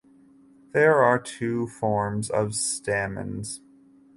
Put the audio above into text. There are two forms of stamens.